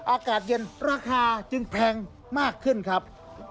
อากาศเย็นราคาจึงแพงมากขึ้นครับ